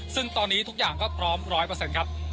ซึ่งตอนนี้ทุกอย่างก็พร้อม๑๐๐ครับ